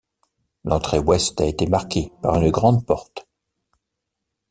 L'entrée ouest a été marquée par une grande porte.